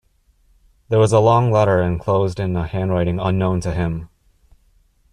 There was a long letter enclosed in a handwriting unknown to him.